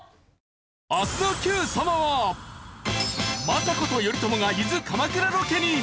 政子と頼朝が伊豆鎌倉ロケに。